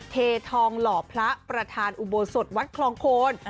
เททองหล่อพระประธานอุโบสถวัดคลองโคน